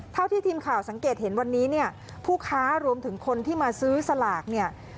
เท่าที่ทีมข่าวสังเกตเห็นวันนี้เนี่ยผู้ค้ารวมถึงคนที่มาซื้อสลากเนี่ย